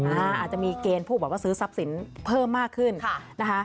อาจจะมีเกณฑ์ผู้แบบว่าซื้อทรัพย์สินเพิ่มมากขึ้นนะคะ